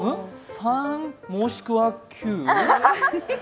３もしくは９？